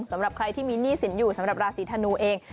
สำหรับใครที่มีหนี้สินอยู่สำหรับราศีธนูเอง